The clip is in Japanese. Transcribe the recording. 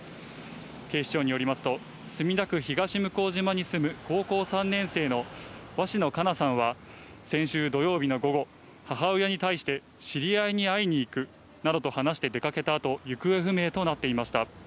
警視庁によりますと墨田区東向島に住む高校３年生の鷲野花夏さんは先週土曜日の午後、母親に対して知り合いに会いに行くなどと話して出かけた後、行方不明となっていました。